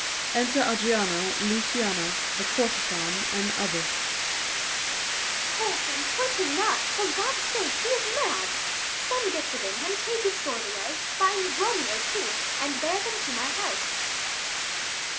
_ Enter ADRIANA, LUCIANA, the Courtezan, and others. Adr. Hold, hurt him not, for God's sake! he is mad. Some get within him, take his sword away: Bind Dromio too, and bear them to my house.